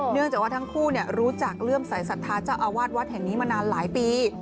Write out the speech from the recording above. เนื่องจากว่าทั้งคู่รู้จักเลื่อมสายศรัทธาเจ้าอาวาสวัดแห่งนี้มานานหลายปี